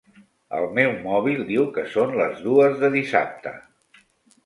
El meu mòbil diu que són les dues de dissabte.